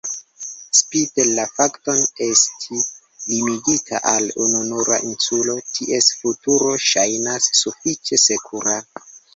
Spite la fakton esti limigita al ununura insulo, ties futuro ŝajnas sufiĉe sekura.